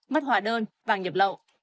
mất hòa đơn vàng nhập lậu